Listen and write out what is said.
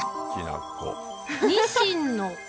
ニシンの子。